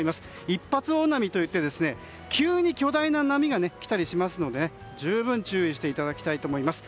一発大波といって急に巨大な波が来たりしますので十分、注意していただきたいと思います。